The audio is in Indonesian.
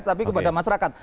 tapi kepada masyarakat